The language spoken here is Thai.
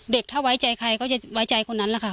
ถ้าไว้ใจใครก็จะไว้ใจคนนั้นแหละค่ะ